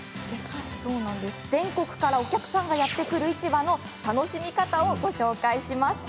全国からお客さんがやって来る市場の楽しみ方をご紹介します。